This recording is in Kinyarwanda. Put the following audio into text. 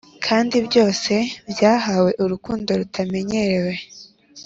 kandi byose byahawe urukundo rutamenyerewe,